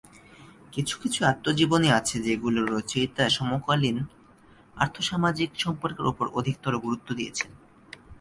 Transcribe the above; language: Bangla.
কিছু কিছু আত্মজীবনী আছে যেগুলির রচয়িতা সমকালীন আর্থ-সামাজিক সম্পর্কের ওপর অধিকতর গুরুত্ব দিয়েছেন।